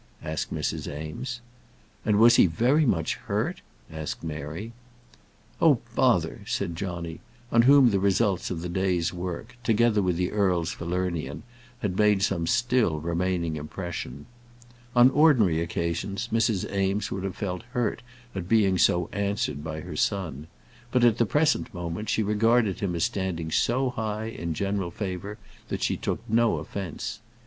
asked Mrs. Eames. "And was he very much hurt?" asked Mary. "Oh, bother," said Johnny, on whom the results of the day's work, together with the earl's Falernian, had made some still remaining impression. On ordinary occasions, Mrs. Eames would have felt hurt at being so answered by her son; but at the present moment she regarded him as standing so high in general favour that she took no offence.